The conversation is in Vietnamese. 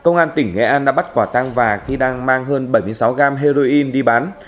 công an tỉnh nghệ an đã bắt quả tăng và khi đang mang hơn bảy mươi sáu gram heroin đi bán